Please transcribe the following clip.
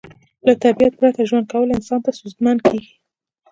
له طبیعت پرته ژوند کول انسان ته ستونزمن کیږي